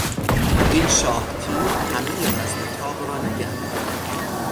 این شاه تیر همهی وزن طاق را نگه میدارد.